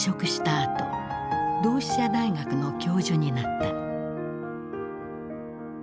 あと同志社大学の教授になった。